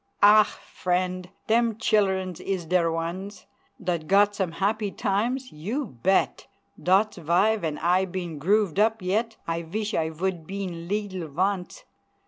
Ah! frient! dem childens is der ones Dot got some happy times you bet! Dot's vy ven I been grooved up yet I vish I vould been leedle vonce!